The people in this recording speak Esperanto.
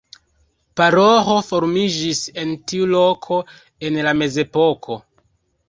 Paroĥo formiĝis en tiu loko en la mezepoko.